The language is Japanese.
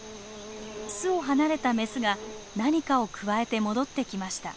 巣を離れたメスが何かをくわえて戻ってきました。